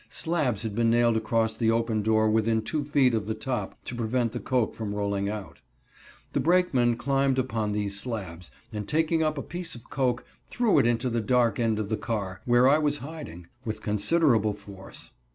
Slabs had been nailed across the open door within two feet of the top to prevent the coke from rolling out. The brakeman climbed upon these slabs, and taking up a piece of coke, threw it into the dark end of the car, where I was hiding, with considerable force.